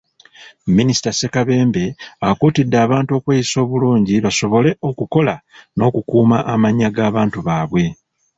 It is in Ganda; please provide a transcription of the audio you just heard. Minisita Ssekabembe akuutidde abantu okweyisa obulungi basobole okukola n'okukuuma amannya g'abantu baabwe.